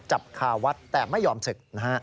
จับคาวัดแต่ไม่ยอมศึกนะฮะ